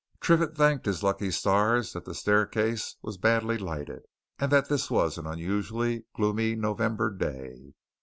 Triffitt thanked his lucky stars that the staircase was badly lighted, and that this was an unusually gloomy November day.